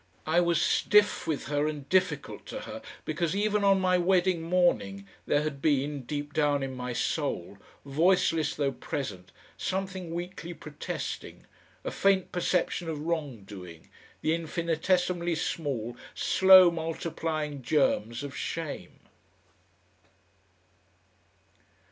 I was stiff with her and difficult to her, because even on my wedding morning there had been, deep down in my soul, voiceless though present, something weakly protesting, a faint perception of wrong doing, the infinitesimally small, slow multiplying germs of shame.